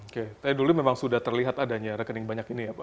oke dulu memang sudah terlihat adanya rekening banyak ini ya pak